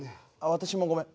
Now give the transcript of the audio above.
私もごめん。